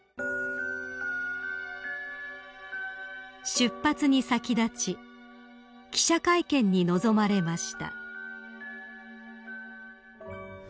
［出発に先立ち記者会見に臨まれました］